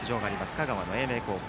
香川の英明高校。